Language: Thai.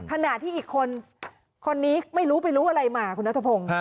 ขณะที่อีกคนคนนี้ไม่รู้ไปรู้อะไรมาคุณนัทพงศ์